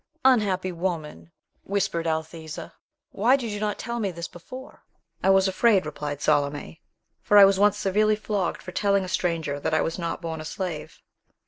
"Unhappy woman," whispered Althesa, "why did you not tell me this before?" "I was afraid," replied Salome, "for I was once severely flogged for telling a stranger that I was not born a slave."